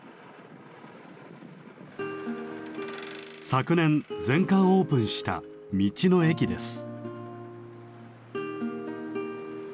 昨年全館オープンした道の駅です。